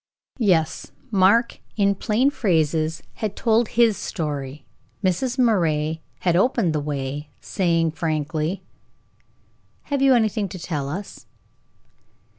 Yes, Mark, in plain phrases, had told his story. Mrs. Moray had opened the way, saying, frankly: "Have you anything to tell us?"